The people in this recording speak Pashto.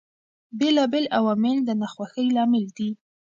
بېلابېل عوامل د ناخوښۍ لامل دي.